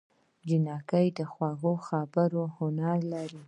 نجلۍ د خوږو خبرو هنر لري.